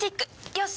よし！